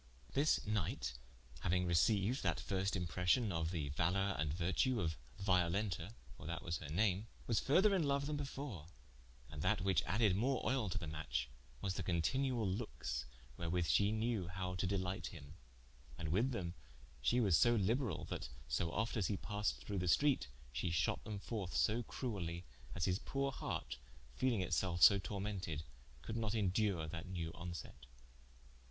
This knight hauing receyued that first impression, of the valor and vertue of Violenta (for that was her name) was further in loue then before: and that which added more oile to the matche, was the continuall lookes, wherewith she knew how to delighte him: and wyth them shee was so liberall, that so oft as he passed through the streate she shot them forth so cruelly, as his poore hart (feeling it selfe so tormented) could not indure that new onset.